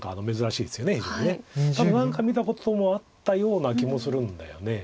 多分何か見たこともあったような気もするんだよね。